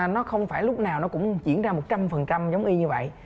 nó không phải lúc nào nó cũng diễn ra một trăm linh giống y như vậy